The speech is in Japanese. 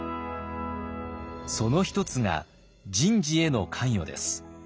その一つが人事への関与です。